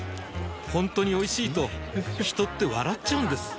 ほんとにおいしいと人って笑っちゃうんです